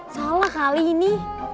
salah kali ini